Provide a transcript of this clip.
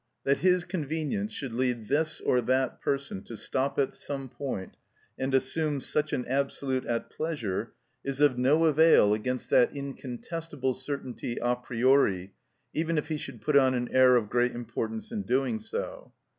That his convenience should lead this or that person to stop at some point, and assume such an absolute at pleasure, is of no avail against that incontestable certainty a priori, even if he should put on an air of great importance in doing so.